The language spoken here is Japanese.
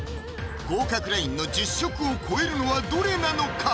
合格ラインの１０食を超えるのはどれなのか？